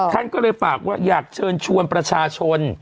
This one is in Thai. ท่านก็เลยฝากว่าอยากเชิญชวนประชาชน